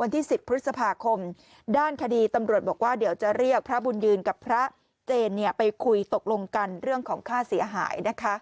วันที่๑๐พฤษภาคมด้านคดีตำรวจบอกว่าเดี๋ยวจะเรียกพระบุญยืนกับพระเจนไปคุยตกลงกันเรื่องของค่าเสียหายนะคะ